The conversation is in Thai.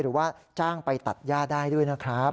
หรือว่าจ้างไปตัดย่าได้ด้วยนะครับ